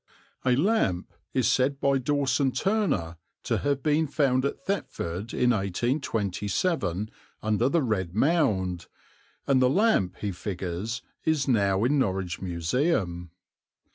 "A lamp is said by Dawson Turner to have been found at Thetford in 1827 under the Red Mound, and the lamp he figures is now in Norwich Museum."